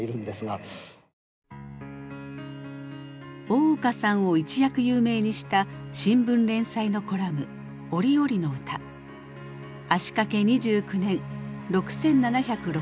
大岡さんを一躍有名にした新聞連載のコラム足かけ２９年６，７６２回。